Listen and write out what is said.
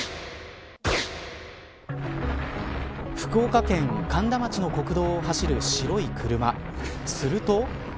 福岡県苅田町の国道を走る白い車すると。